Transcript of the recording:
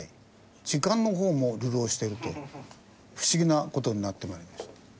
時間の方も流浪していると不思議な事になって参りました。